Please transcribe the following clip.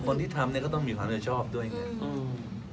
คนที่ทำเนี่ยก็ต้องมีความโดยชอบด้วยไง